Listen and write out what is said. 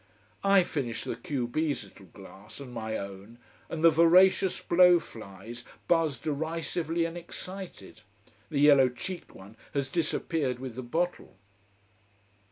I finish the q b's little glass, and my own, and the voracious blow flies buzz derisively and excited. The yellow cheeked one has disappeared with the bottle.